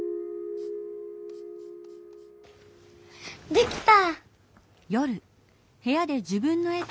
できた！